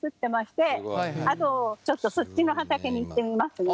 ちょっとそっちの畑に行ってみますね。